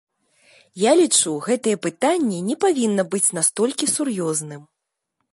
Я лічу, гэтае пытанне не павінна быць настолькі сур'ёзным.